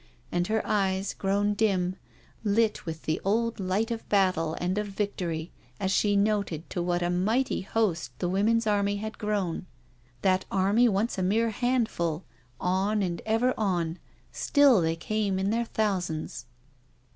And her eyes, grown dim, lit with the old light of battle and of victory, as she noted to what a mighty host the women's army had grown — that army once a mere handful, on and ever on, still they came in their thousands.